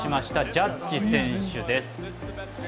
ジャッジ選手です。